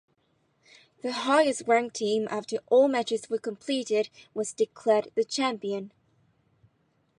The highest ranked team after all matches were completed was declared the champion.